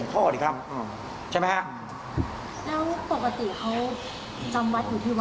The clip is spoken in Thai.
เมื่อยครับเมื่อยครับ